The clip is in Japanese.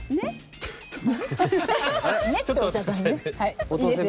ちょっと待ってよ。